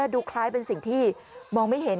ดูคล้ายเป็นสิ่งที่มองไม่เห็น